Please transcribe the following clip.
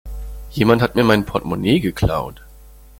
Jemand hat mir mein Portmonee geklaut.